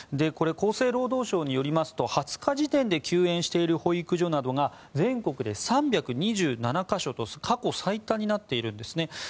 これ、厚生労働省によりますと２０日時点で休園している保育所などが全国で３２７か所と過去最多になっているんですね。